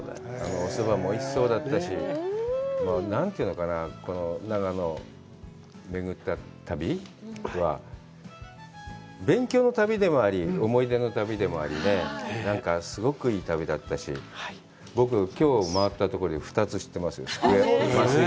おそばもおいしそうだったし、何というのかな、長野をめぐった旅は、勉強の旅でもあり、思い出の旅でもありね、すごくいい旅だったし、僕、きょう回ったところで２つ、知ってますよ。